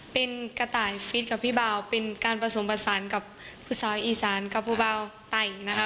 เป็นกระต่ายฟิตกับพี่เบาเป็นการผสมผสานกับภาษาอีสานกับภูเบาไตนะคะ